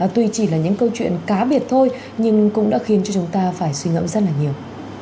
tuy chỉ là những câu chuyện cá biệt thôi nhưng cũng đã khiến cho chúng ta phải suy ngẫm rất là nhiều